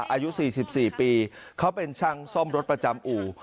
อายุ๔๔ปีเขาเป็นช่างซ่อมรถประจำอู่